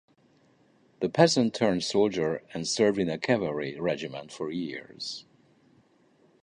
The peasant turned soldier and served in a cavalry regiment for years.